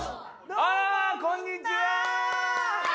あらこんにちは。